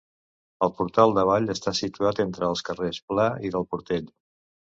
El portal d'Avall està situat entre els carrers Pla i del Portell.